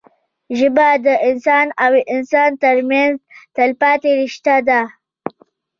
ژبه د انسان او انسان ترمنځ تلپاتې رشته ده